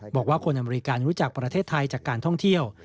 บอกว่าคนอเมริการู้จักประเทศไทยจากการท่องเที่ยว